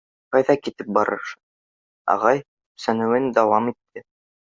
— Ҡайҙа китеп барыш? — ағай төпсөнөүен дауам итте.